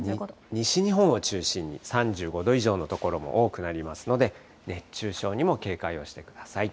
西日本を中心に、３５度以上の所も多くなりますので、熱中症にも警戒をしてください。